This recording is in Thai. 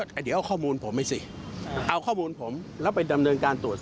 ช่วงวันที่๑๒๑๓